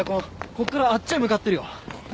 ここからあっちへ向かってるよ。